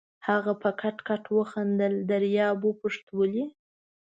هغه په کټ کټ وخندل، دریاب وپوښت: ولې؟